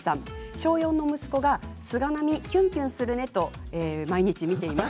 小学４年生の息子が菅波キュンキュンするねと毎日見ています。